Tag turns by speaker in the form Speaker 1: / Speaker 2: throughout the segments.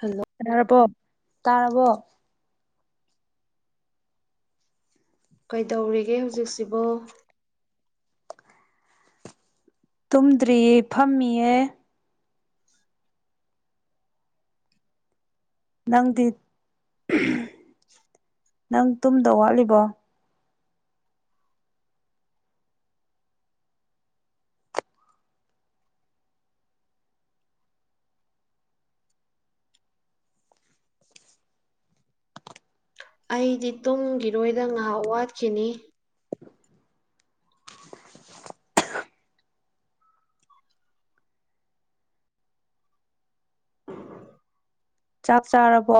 Speaker 1: hello
Speaker 2: [unintelligible] ꯇꯥꯔꯕꯣ
Speaker 1: ꯀꯩꯗꯧꯔꯤꯒꯦ ꯍꯧꯖꯤꯛꯁꯤꯕꯣ
Speaker 2: ꯇꯨꯝꯗ꯭ꯔꯤꯌꯦ ꯐꯝꯃꯤꯌꯦ ꯅꯪꯗꯤ ꯍꯝ ꯅꯪ ꯇꯨꯝꯗꯧ ꯋꯥꯠꯂꯤꯕꯣ
Speaker 1: ꯑꯩꯗꯤ ꯇꯨꯡꯒꯤꯔꯣꯏꯗ ꯉꯥꯏꯍꯥꯛ ꯋꯥꯠꯈꯤꯅꯤ [inaudible]
Speaker 2: ꯆꯥꯛ ꯆꯥꯔꯕꯣ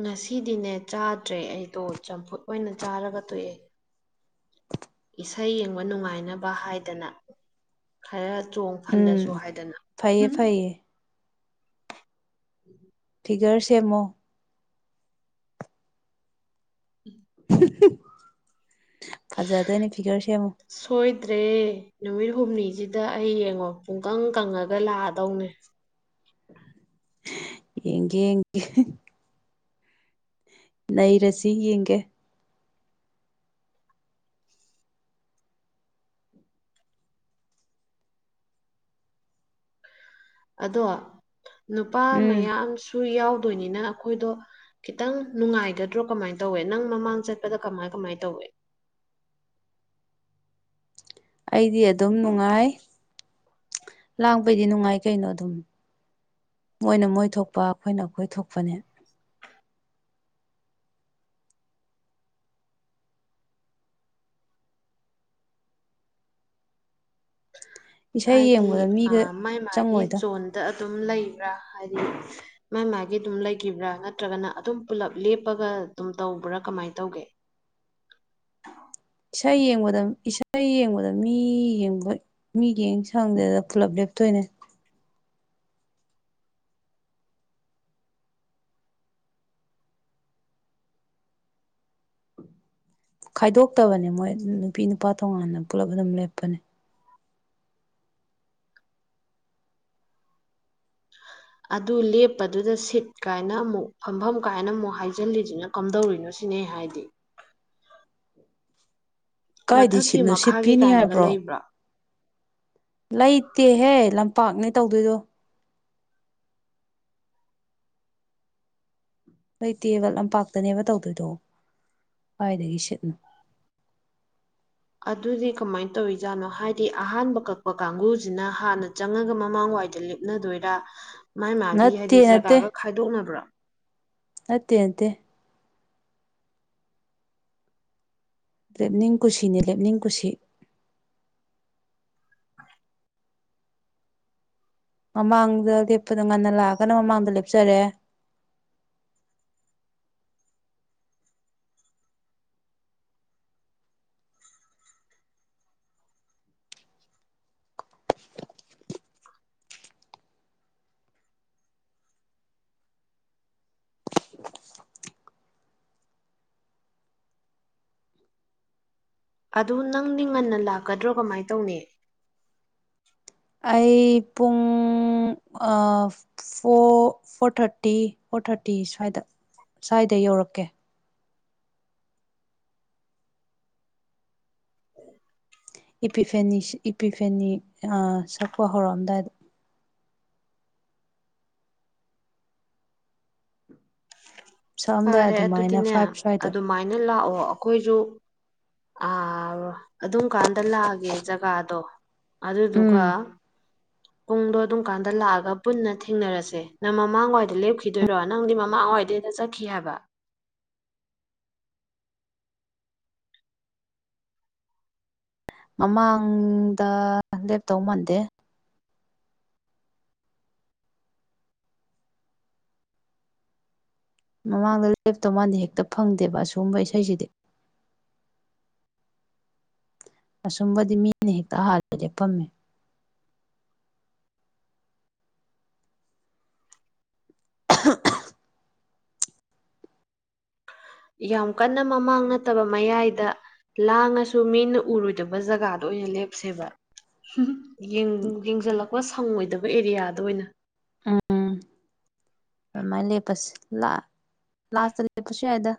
Speaker 1: ꯉꯁꯤꯗꯤꯅꯦ ꯆꯥꯗ꯭ꯔꯦ ꯑꯩꯗꯣ ꯆꯝꯐꯨꯠ ꯑꯣꯏꯅ ꯆꯥꯔꯒ ꯇꯣꯛꯑꯦ ꯏꯁꯩ ꯌꯦꯡꯕ ꯅꯨꯡꯉꯥꯏꯅꯕ ꯍꯥꯏꯗꯅ ꯈꯔ ꯆꯣꯡꯐꯜꯂꯁꯨ
Speaker 2: ꯎꯝ
Speaker 1: ꯍꯥꯏꯗꯅ ꯎꯝ
Speaker 2: ꯐꯩꯌꯦ
Speaker 1: ꯎꯝ
Speaker 2: ꯐꯩꯌꯦ
Speaker 1: [inaudible]
Speaker 2: ꯐꯤꯒꯔ ꯁꯦꯝꯃꯣ
Speaker 1: [inaudible]
Speaker 2: ꯐꯖꯗꯣꯏꯅꯦ ꯐꯤꯒꯔ ꯁꯦꯝꯃꯨ
Speaker 1: ꯁꯣꯏꯗ꯭ꯔꯦ ꯅꯨꯃꯤꯠ ꯍꯨꯝꯅꯤꯁꯤꯗ ꯑꯩ ꯌꯦꯡꯉꯣ ꯄꯨꯡꯀꯪ ꯀꯪꯉꯒ ꯂꯥꯛꯑꯗꯧꯅꯦ
Speaker 2: ꯌꯦꯡꯒꯦ ꯌꯦꯡꯒꯦ ꯅꯩꯔꯁꯤ ꯌꯦꯡꯒꯦ
Speaker 1: ꯑꯗꯣ ꯅꯨꯄꯥ
Speaker 2: ꯎꯝ
Speaker 1: ꯃꯌꯥꯝꯁꯨ ꯌꯥꯎꯗꯣꯏꯅꯤꯅ ꯑꯩꯈꯣꯏꯗꯣ ꯈꯤꯇꯪ ꯅꯨꯡꯉꯥꯏꯒꯗ꯭ꯔꯣ ꯀꯃꯥꯏ ꯇꯧꯋꯦ ꯅꯪ ꯃꯃꯥꯡ ꯆꯠꯄꯗ ꯀꯃꯥꯏ ꯀꯃꯥꯏ ꯇꯧꯋꯦ
Speaker 2: ꯑꯩꯗꯤ ꯑꯗꯨꯝ ꯅꯨꯡꯉꯥꯏ ꯂꯥꯛꯕꯩꯗꯤ ꯅꯨꯡꯉꯥꯏ ꯀꯩꯅꯣ ꯑꯗꯨꯝ ꯃꯣꯏꯅ ꯃꯣꯏ ꯊꯣꯛꯄ ꯑꯩꯈꯣꯏꯅ ꯑꯩꯈꯣꯏ ꯊꯣꯛꯄꯅꯦ ꯏꯁꯩ
Speaker 1: ꯍꯥꯏꯗꯤ
Speaker 2: ꯌꯦꯡꯕꯗ ꯃꯤꯒ
Speaker 1: ꯃꯥꯏ ꯃꯥꯒꯤ
Speaker 2: ꯆꯪꯉꯣꯏꯗ
Speaker 1: ꯖꯣꯟꯗ ꯑꯗꯨꯝ ꯂꯩꯕ꯭ꯔꯥ ꯍꯥꯏꯗꯤ ꯃꯥꯥꯏ ꯃꯥꯒꯤ ꯑꯗꯨꯝ ꯂꯩꯈꯤꯕ꯭ꯔꯥ ꯅꯠꯇ꯭ꯔꯒꯅ ꯑꯗꯨꯝ ꯄꯨꯜꯂꯞ ꯂꯦꯞꯄꯒ ꯑꯗꯨꯝ ꯇꯧꯕ꯭ꯔꯥ ꯀꯃꯥꯏꯅ ꯇꯧꯒꯦ
Speaker 2: ꯏꯁꯩ ꯌꯦꯡꯕꯗ ꯏꯁꯩ ꯌꯦꯡꯕꯗ ꯃꯤ ꯌꯦꯡꯕ ꯃꯤ ꯌꯦꯡ ꯁꯪꯗꯦꯗ ꯄꯨꯂꯞ ꯂꯦꯞꯇꯣꯏꯅꯦ ꯈꯥꯏꯗꯣꯛꯇꯕꯅꯦ ꯃꯣꯏ ꯅꯨꯄꯤ ꯅꯨꯄꯥ ꯇꯣꯉꯥꯟꯅ ꯄꯨꯜꯂꯞ ꯑꯗꯨꯝ ꯂꯦꯞꯄꯅꯦ
Speaker 1: ꯑꯗꯨ ꯂꯦꯞꯄꯗꯨꯗ ꯁꯤꯠ ꯀꯥꯏꯅ ꯑꯃꯨꯛ ꯐꯝꯐꯝ ꯀꯥꯏꯅ ꯑꯃꯨꯛ ꯍꯥꯏꯖꯜꯂꯤꯁꯤꯅ ꯀꯝꯗꯧꯔꯤꯅꯣ ꯁꯤꯅꯦ ꯑꯩꯅ ꯍꯥꯏꯗꯤ
Speaker 2: ꯀꯥꯏꯗꯩ
Speaker 1: ꯃꯊꯛꯀꯤ
Speaker 2: ꯁꯤꯠꯅꯣ ꯁꯤꯠ
Speaker 1: ꯃꯈꯥꯒꯤ
Speaker 2: ꯄꯤꯅꯤ
Speaker 1: ꯀꯥꯏꯅꯒ
Speaker 2: ꯍꯥꯏꯕ꯭ꯔꯣ
Speaker 1: ꯂꯩꯕ꯭ꯔꯣ
Speaker 2: ꯂꯩꯇꯦꯍꯦ ꯂꯝꯄꯥꯛꯅꯦ ꯇꯧꯗꯣꯏꯗꯣ ꯂꯩꯇꯦꯕ ꯂꯝꯄꯥꯛꯇꯅꯦꯕ ꯇꯧꯗꯣꯏꯗꯣ ꯀꯥꯏꯗꯒꯤ ꯁꯤꯠꯅꯣ
Speaker 1: ꯑꯗꯨꯗꯤ ꯀꯃꯥꯏꯅ ꯇꯧꯔꯤꯖꯥꯠꯅꯣ ꯍꯥꯏꯗꯤ ꯑꯍꯥꯟꯕ ꯀꯛꯄ ꯀꯥꯡꯕꯨꯁꯤꯅ ꯍꯥꯟꯅ ꯆꯪꯉꯒ ꯃꯃꯥꯡꯋꯥꯏꯗ ꯂꯦꯞ ꯅꯗꯣꯏꯔ ꯃꯥꯥꯏ ꯃꯥꯒꯤ
Speaker 2: ꯅꯠꯇꯦ
Speaker 1: ꯍꯥꯏꯗꯤ
Speaker 2: ꯅꯠꯇꯦ
Speaker 1: ꯖꯒꯥꯒ ꯈꯥꯏꯗꯣꯛꯅꯕ꯭ꯔꯣ
Speaker 2: ꯅꯠꯇꯦ ꯅꯠꯇꯦ ꯂꯦꯞꯅꯤꯡ ꯀꯨꯁꯤꯅꯦ ꯂꯦꯞꯅꯤꯡ ꯀꯨꯁꯤ
Speaker 1: [inaudible]
Speaker 2: ꯃꯃꯥꯡꯗ ꯂꯦꯞꯄꯗ ꯉꯟꯅ ꯂꯥꯛꯑꯒꯅ ꯃꯃꯥꯡꯗ ꯂꯦꯞꯆꯔꯦ
Speaker 1: ꯑꯗꯨ ꯅꯪꯗꯤ ꯉꯟꯅ ꯂꯥꯛꯀꯗ꯭ꯔꯣ ꯀꯃꯥꯏꯅ ꯇꯧꯅꯤ
Speaker 2: ꯑꯩ ꯄꯨꯡ ꯑ ꯐꯣ ꯐꯣꯔ ꯊꯥꯔꯇꯤ ꯐꯣꯔ ꯊꯥꯔꯇꯤ ꯁ꯭ꯋꯥꯏꯗ ꯁ꯭ꯋꯥꯏꯗ ꯌꯧꯔꯛꯀꯦ ꯏꯄꯤ ꯐꯦꯅꯤ ꯏꯄꯤꯐꯦꯅꯤ ꯑꯥ ꯁꯛꯄ ꯍꯧꯔꯛꯑꯝꯗꯥꯏꯗ ꯁꯣꯝꯗ
Speaker 1: ꯐꯔꯦ
Speaker 2: ꯑꯗꯨꯃꯥꯏꯅ
Speaker 1: ꯑꯗꯨꯗꯤꯅꯦ
Speaker 2: ꯐꯥꯏꯚ ꯁ꯭ꯋꯥꯏꯗ
Speaker 1: ꯑꯗꯨꯃꯥꯏꯅ ꯂꯥꯛꯑꯣ ꯑꯩꯈꯣꯏꯁꯨ ꯑ ꯑꯗꯨꯝ ꯀꯥꯟꯗ ꯂꯥꯛꯑꯒꯦ ꯖꯒꯥꯗꯣ ꯑꯗꯨꯗꯨꯒ
Speaker 2: ꯎꯝ
Speaker 1: ꯄꯨꯡꯗꯣ ꯑꯗꯨꯝ ꯀꯥꯟꯗ ꯂꯥꯛꯑꯒ ꯄꯨꯟꯅ ꯊꯦꯡꯅꯔꯁꯦ ꯅꯪ ꯃꯃꯥꯡꯋꯥꯏꯗ ꯂꯦꯞꯈꯤ ꯗꯣꯏꯔꯣ ꯅꯪꯗꯤ ꯃꯃꯥꯡꯋꯥꯏꯗ ꯍꯦꯛꯇ ꯆꯠꯈꯤ ꯍꯥꯏꯕ
Speaker 2: ꯃꯃꯥꯡꯗ ꯂꯦꯞꯇꯧ ꯃꯥꯟꯗꯦ ꯃꯃꯥꯡꯗ ꯂꯦꯞꯇꯧ ꯃꯥꯥꯟꯦ ꯍꯦꯛꯇ ꯐꯪꯗꯦꯕ ꯑꯁꯨꯒꯨꯝꯕ ꯏꯁꯩꯁꯤꯗꯤ ꯑꯁꯨꯝꯕꯗꯤ ꯃꯤꯅ ꯍꯦꯛꯇ ꯍꯥꯜꯅ ꯂꯦꯞꯄꯝꯃꯦ ꯑꯍꯥ ꯑꯍꯥ
Speaker 1: ꯌꯥꯝ ꯀꯟꯅ ꯃꯃꯥꯡ ꯅꯠꯇꯕ ꯃꯌꯥꯏꯗ ꯂꯥꯡꯉꯁꯨ ꯃꯤꯅ ꯎꯔꯣꯏꯗꯕ ꯖꯒꯥꯗ ꯑꯣꯏꯅ ꯂꯦꯞꯁꯦꯕ ꯍꯝ ꯍꯝ ꯌꯦꯡ ꯌꯦꯡꯖꯜꯂꯛꯄ ꯁꯪꯑꯣꯏꯗꯕ ꯑꯦꯔꯤꯌꯥꯗ ꯑꯣꯏꯅ
Speaker 2: ꯎꯝ ꯑꯗꯨꯃꯥꯏꯅ ꯂꯦꯞꯄꯁꯤ ꯂꯥꯁ ꯂꯥꯁꯇ ꯂꯦꯞꯄꯁꯨ ꯌꯥꯏꯗ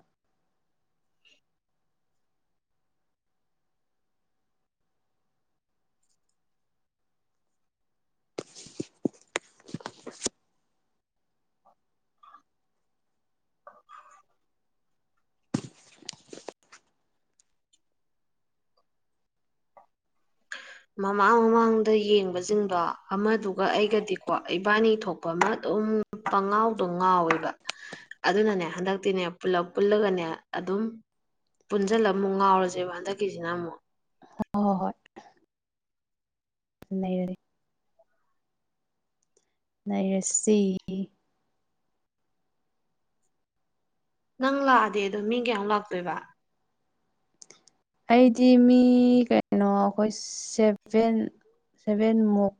Speaker 1: ꯃꯃꯥꯡ ꯃꯃꯥꯡꯗ ꯌꯦꯡꯕꯖꯤꯡꯗꯣ ꯑꯃꯗꯨꯒ ꯑꯩꯒꯗꯤꯀꯣ ꯏꯕꯥꯅꯤ ꯊꯣꯛꯄ ꯑꯃ ꯑꯗꯨꯝ ꯄꯪꯉꯥꯎꯗ ꯉꯥꯎꯋꯦꯕ ꯑꯗꯨꯅꯅꯦ ꯍꯟꯗꯛꯇꯤꯅꯦ ꯄꯨꯜꯂꯞ ꯄꯨꯜꯂꯒꯅꯦ ꯑꯗꯨꯝ ꯄꯨꯟꯖꯤꯜꯂ ꯑꯃꯨꯛ ꯉꯥꯎꯔꯁꯦꯕ ꯍꯟꯗꯛꯀꯤꯁꯤꯅ ꯑꯃꯨꯛ
Speaker 2: ꯍꯣꯍꯣ ꯍꯣꯏ ꯅꯩꯔꯦ ꯅꯩꯔꯁꯤ
Speaker 1: ꯅꯪ ꯂꯥꯛꯑꯗꯤ ꯑꯗꯣ ꯃꯤ ꯀꯌꯥꯃꯨꯛ ꯂꯥꯛꯇꯣꯏꯕ
Speaker 2: ꯑꯩꯗꯤ ꯃꯤ ꯀꯌꯥꯅꯣ ꯑꯩꯈꯣꯏ ꯁꯚꯦꯟ ꯁꯚꯦꯟꯃꯨꯛ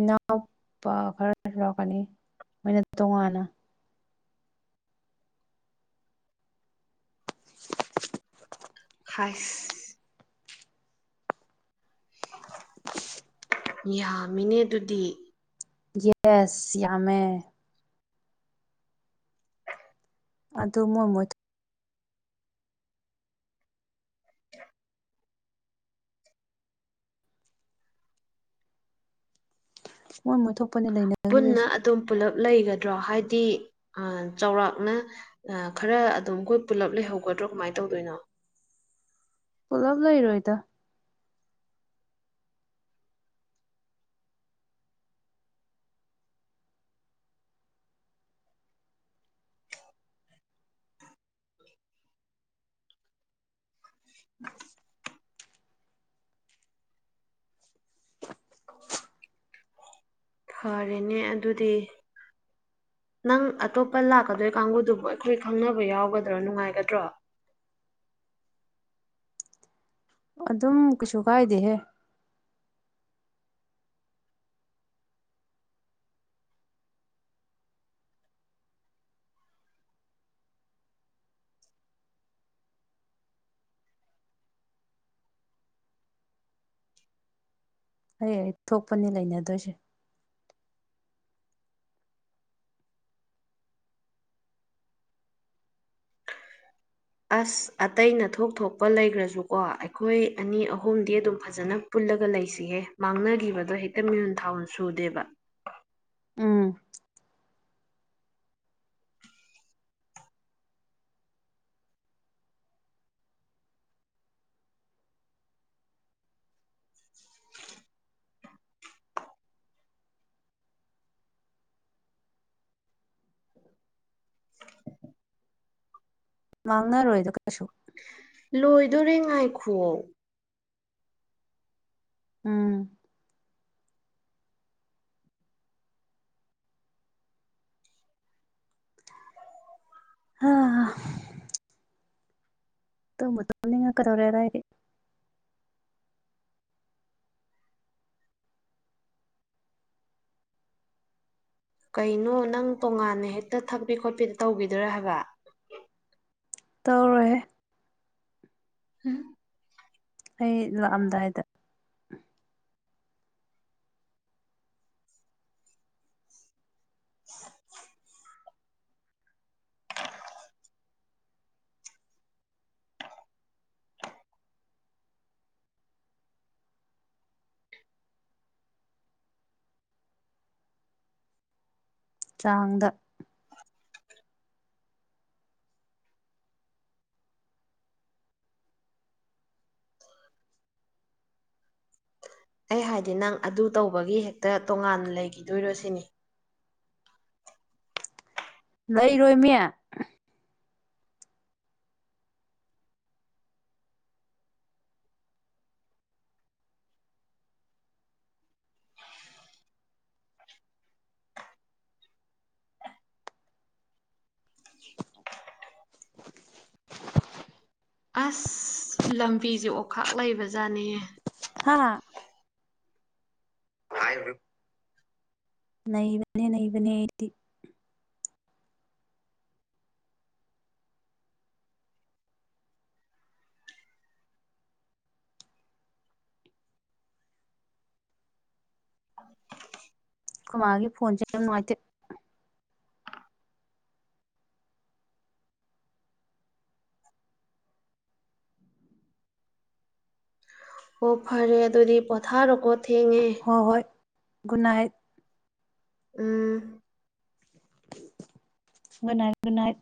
Speaker 2: ꯏꯅꯥꯎꯄꯥ ꯈꯔꯁꯨ ꯌꯥꯎꯔꯛꯀꯅꯤ ꯃꯣꯏꯅ ꯇꯣꯉꯥꯟꯅ [unintelligible]
Speaker 1: ꯍꯥꯏꯁ ꯌꯥꯝꯃꯤꯅꯦ ꯑꯗꯨꯗꯤ
Speaker 2: ꯌꯦꯁ ꯌꯥꯝꯃꯦ ꯑꯗꯨ ꯃꯣꯏ ꯃꯣꯏ
Speaker 1: [unintelligible]
Speaker 2: ꯃꯣꯏ ꯃꯣꯏ ꯊꯣꯛꯄꯅꯦ
Speaker 1: ꯄꯨꯟꯅ
Speaker 2: ꯂꯩꯅꯈꯤꯗꯣꯏꯁꯦ
Speaker 1: ꯑꯗꯨꯝ ꯄꯨꯜꯂꯞ ꯂꯩꯒꯗ꯭ꯔꯣ ꯍꯥꯏꯗꯤ ꯆꯥꯎꯔꯥꯛꯅ ꯑꯥ ꯈꯔ ꯑꯗꯨꯝ ꯒꯔꯨꯞ ꯄꯨꯜꯂꯞ ꯂꯩꯍꯧꯒꯗ꯭ꯔꯣ ꯀꯃꯥꯏꯅ ꯇꯧꯗꯣꯏꯅꯣ
Speaker 2: ꯄꯨꯂꯞ ꯂꯣꯏꯔꯣꯏꯗ
Speaker 1: [unintelligible] [unintelligible] ꯐꯔꯦꯅꯦ ꯑꯗꯨꯗꯤ ꯅꯪ ꯑꯇꯣꯞꯄ ꯂꯥꯛꯀꯗꯣꯏ ꯀꯥꯡꯕꯨꯗꯨꯕꯨ ꯑꯩꯈꯣꯏ ꯈꯪꯅꯕ ꯌꯥꯎꯒꯗ꯭ꯔꯣ ꯅꯨꯡꯉꯥꯏꯒꯗ꯭ꯔꯣ
Speaker 2: ꯑꯗꯨꯝ ꯀꯩꯁꯨ ꯀꯥꯏꯗꯦꯍꯦ ꯑꯩ ꯑꯩ ꯊꯣꯛꯄꯅꯦ ꯂꯩꯅꯗꯣꯏꯁꯦ
Speaker 1: ꯑꯁ ꯑꯇꯩꯅ ꯊꯣꯛ ꯊꯣꯛꯄ ꯂꯩꯈ꯭ꯔꯖꯨꯀꯣ ꯑꯩꯈꯣꯏ ꯑꯅꯤ ꯑꯍꯨꯝꯗꯤ ꯑꯗꯨꯝ ꯐꯖꯅ ꯄꯨꯜꯂꯒ ꯂꯩꯁꯤꯍꯦ ꯃꯥꯡꯅꯈꯤꯕꯗꯣ ꯍꯦꯛꯇ ꯃꯤꯍꯨꯟ ꯊꯥꯎꯟ ꯁꯨꯗꯦꯕ
Speaker 2: ꯎꯝ ꯃꯥꯡꯅꯔꯣꯏꯗ ꯀꯩꯁꯨ
Speaker 1: ꯂꯣꯏꯗꯣꯔꯦ ꯉꯥꯏꯈꯨꯑꯣ
Speaker 2: ꯎꯝ ꯑꯥ ꯇꯨꯝꯕꯨ ꯇꯨꯝꯅꯤꯡꯉꯛ ꯀꯗꯧꯔꯦꯗ ꯑꯩꯗꯤ
Speaker 1: ꯀꯩꯅꯣ ꯅꯪ ꯇꯣꯉꯥꯟꯅ ꯍꯦꯛꯇ ꯊꯛꯄꯤ ꯈꯣꯠꯄꯤ ꯇꯧꯕꯤꯗꯨꯔ ꯍꯥꯏꯕ
Speaker 2: ꯇꯧꯔꯣꯏꯍꯦ
Speaker 1: ꯎꯝ
Speaker 2: ꯑꯩ ꯂꯥꯛꯑꯝꯗꯥꯏꯗ
Speaker 1: [unintelligible]
Speaker 2: ꯆꯥꯡꯗ
Speaker 1: ꯑꯩ ꯍꯥꯏꯗꯤ ꯅꯪ ꯑꯗꯨ ꯇꯧꯕꯒꯤ ꯍꯦꯛꯇ ꯇꯣꯉꯥꯟꯅ ꯂꯩꯈꯤꯗꯣꯏꯔꯣ ꯁꯤꯅꯤ
Speaker 2: ꯂꯩꯔꯣꯏꯃꯤ
Speaker 1: ꯑꯁ ꯂꯝꯕꯤꯁꯦ ꯑꯣꯈꯥꯛ ꯂꯩꯕ ꯖꯥꯠꯅꯤꯌꯦ
Speaker 2: ꯍꯥ ꯅꯩꯕꯅꯦ ꯅꯩꯕꯅꯦ ꯑꯩꯗꯤ
Speaker 1: [unintelligible]
Speaker 2: ꯈꯣꯏꯃꯥꯒꯤ ꯐꯣꯟꯁꯦ ꯌꯥꯝ ꯅꯨꯡꯉꯥꯏꯇꯦ
Speaker 1: ꯑꯣ ꯐꯔꯦ ꯑꯗꯨꯗꯤ ꯄꯣꯊꯥꯔꯣꯀꯣ ꯊꯦꯡꯉꯦ
Speaker 2: ꯍꯣꯏ ꯍꯣꯏ good night
Speaker 1: um
Speaker 2: good night good night